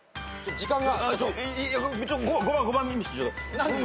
時間が。